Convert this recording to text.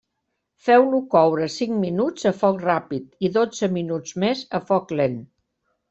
Feu-lo coure cinc minuts a foc ràpid i dotze minuts més a foc lent.